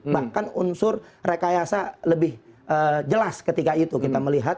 bahkan unsur rekayasa lebih jelas ketika itu kita melihat